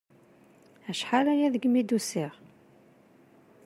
Acḥal-aya degmi d-usiɣ!